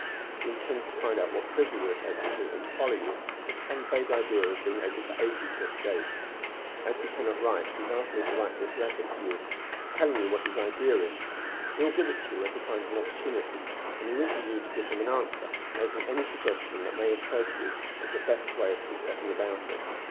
"He intends to find out what prison you are taken to, and to follow you, with some vague idea of being able to aid you to escape. As he cannot write, he has asked me to write this letter to you, telling you what his idea is. He will give it to you when he finds an opportunity, and he wishes you to give him an answer, making any suggestion that may occur to you as to the best way of his setting about it.